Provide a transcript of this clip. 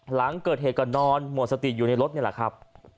หลังเกิดเหตุก็นอนหมดสติอยู่ในรถนี่แหละครับ